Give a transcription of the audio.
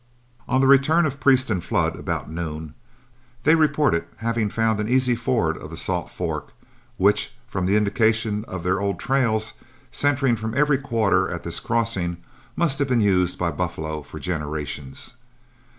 On the return of Priest and Flood about noon, they reported having found an easy ford of the Salt Fork, which, from the indications of their old trails centring from every quarter at this crossing, must have been used by buffalo for generations.